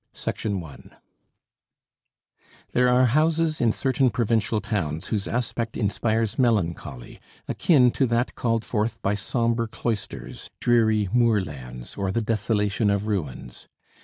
EUGENIE GRANDET I There are houses in certain provincial towns whose aspect inspires melancholy, akin to that called forth by sombre cloisters, dreary moorlands, or the desolation of ruins.